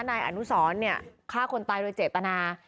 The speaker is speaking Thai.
นายอนุสรฆ่าคนตายโดยเจตนา